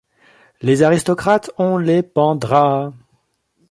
Les aristocrates on les pendra.